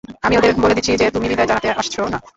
আমি ওদের বলে দিচ্ছি যে, তুমি বিদায় জানাতে আসছো না।